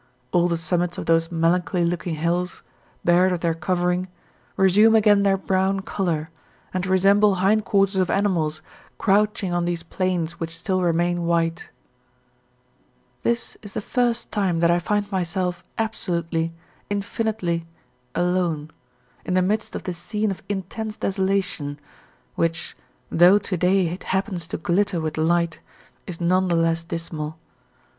All the summits of those melancholy looking hills, bared of their covering, resume again their brown colour and resemble hindquarters of animals couching on these plains which still remain white. This is the first time that I find myself absolutely, infinitely alone, in the midst of this scene of intense desolation, which, though to day it happens to glitter with light, is none the less dismal.